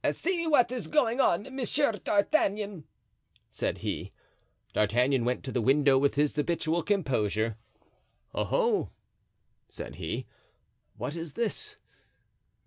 "See what is going on, Monsieur D'Artagnan," said he. D'Artagnan went to the window with his habitual composure. "Oho!" said he, "what is this?